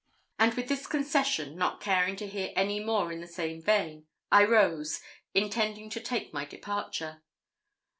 And with this concession, not caring to hear any more in the same vein, I rose, intending to take my departure.